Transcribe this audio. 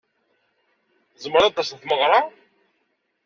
Tzemreḍ ad d-taseḍ ɣer tmeɣṛa?